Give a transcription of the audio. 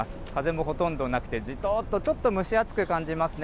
風もほとんどなくて、じとっとちょっと蒸し暑く感じますね。